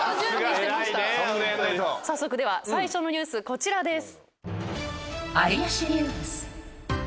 早速では最初のニュースこちらです。